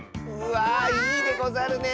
わあいいでござるね。